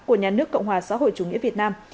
của nhà nước cộng hòa xã hội chủ nghĩa việt nam